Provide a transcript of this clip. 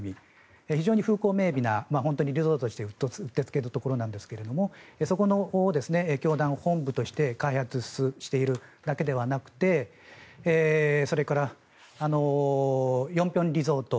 非常に風光明媚なリゾート地としてうってつけのところなんですがそこの教団本部として開発しているだけではなくそれから、ヨンピョンリゾート